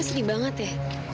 kamu sedih banget ya